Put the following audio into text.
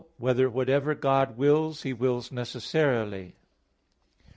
3] Whether Whatever God Wills He Wills Necessarily?